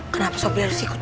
kenapa sob dia harus ikut